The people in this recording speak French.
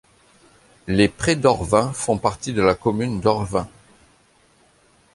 Les Prés-d'Orvin font partie de la commune d'Orvin.